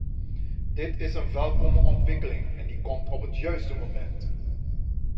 Dit is een welkome ontwikkeling, en die komt op het juiste moment.